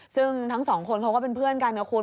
ซึ่งทั้งสองคนเขาก็เป็นเพื่อนกันนะคุณ